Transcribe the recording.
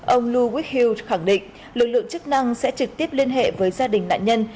ông louis hill khẳng định lực lượng chức năng sẽ trực tiếp liên hệ với gia đình nạn nhân